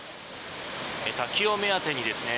滝を目当てにですね